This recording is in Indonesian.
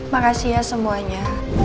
makasih ya semuanya